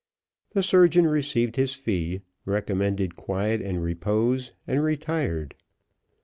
The surgeon received his fee, recommended quiet and repose, and retired.